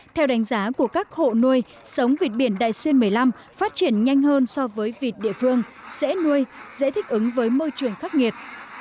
theo đánh giá của các hộ nuôi sống vịt biển đại xuyên một mươi năm phát triển nhanh hơn so với vịt địa phương dễ nuôi dễ thích ứng với môi trường khắc nghiệt